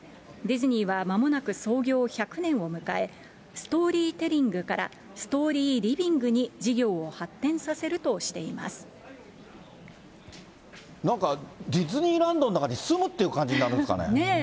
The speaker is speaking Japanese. ディズニーは間もなく創業１００年を迎え、ストーリーテリングからストーリーリビングに事業を発展させるとなんか、ディズニーランドの中に住むっていう感じになるんですかね。